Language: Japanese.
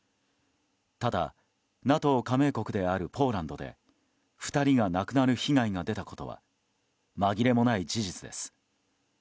ただ、ＮＡＴＯ加盟国であるポーランドで２人が亡くなる被害が出たことはまぎれもない事実です。